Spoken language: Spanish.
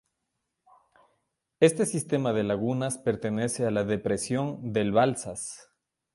Este sistema de lagunas pertenece a la Depresión del Balsas.